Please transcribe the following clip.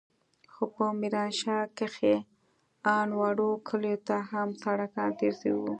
خو په ميرانشاه کښې ان وړو کليو ته هم سړکان تېر سوي وو.